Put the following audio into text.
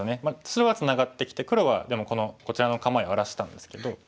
白はツナがってきて黒はでもこちらの構えを荒らしたんですけど。